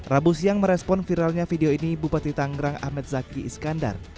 rabu siang merespon viralnya video ini bupati tanggerang ahmed zaki iskandar